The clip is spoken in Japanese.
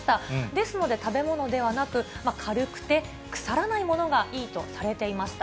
ですので、食べ物ではなく軽くて、腐らないものがいいとされていました。